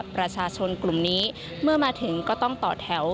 ประชาชนกลุ่มนี้เมื่อมาถึงก็ต้องต่อแถว